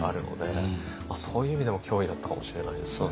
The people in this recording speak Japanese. そういう意味でも脅威だったかもしれないですよね。